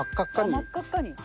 ああ真っ赤っかに。